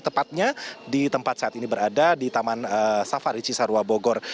tepatnya di tempat saat ini berada di taman safari cisarua bogor